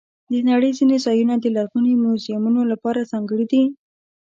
د نړۍ ځینې ځایونه د لرغوني میوزیمونو لپاره ځانګړي دي.